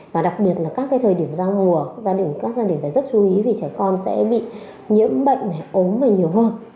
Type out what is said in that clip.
và đặc biệt là các cái thời điểm giao mùa các gia đình phải rất chú ý vì trẻ con sẽ bị nhiễm bệnh này ốm và nhiều hơn